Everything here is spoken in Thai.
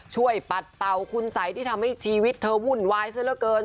ช่วยปัดเตาคุณไซค์ที่ทำให้ชีวิตเธอวุ่นวายเสื้อเหลือเกิน